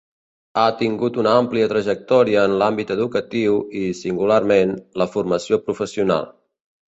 Ha tingut una àmplia trajectòria en l'àmbit educatiu i, singularment, la Formació Professional.